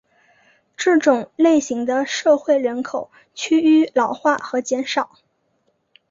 这种类型的社会人口趋于老化和减少。